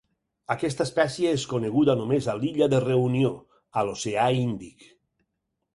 Aquesta espècie és coneguda només a l'illa de Reunió, a l'oceà Índic.